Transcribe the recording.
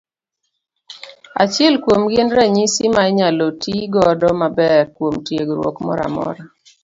Achiel kuomgi en ranyisi ma inyalo ti godo maber kuom tiegruok moro amora.